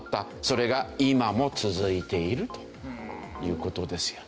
それが今も続いているという事ですよ。